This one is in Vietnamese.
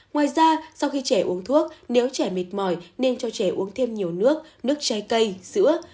ngoài ra sau khi trẻ uống thuốc nếu trẻ mệt mỏi nên cho trẻ uống thêm nhiều nước nước trái cây sữa